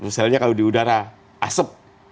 misalnya kalau di udara asep